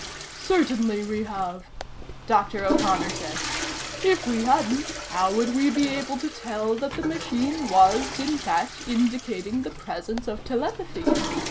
"Certainly we have," Dr. O'Connor said. "If we hadn't, how would we be able to tell that the machine was, in fact, indicating the presence of telepathy?